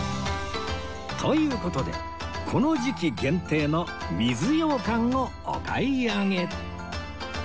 という事でこの時期限定の水羊羹をお買い上げ